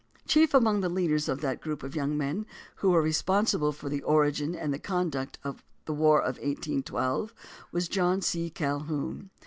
Chief among the leaders of that group of young men who were re sponsible for the origin and conduct of the War of 1812 was John C. Calhoun.